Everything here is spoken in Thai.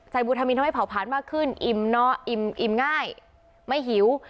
ใส่วิตามินทำให้เผาผลาญมากขึ้นอิ่มง่ายไม่หิว